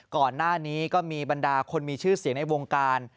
ก่อนหน้านี้ก็มีบรรดาคนมีชื่อเสียงในวงการ